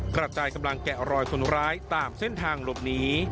กระจายกำลังแกะรอยคนร้ายตามเส้นทางหลบหนี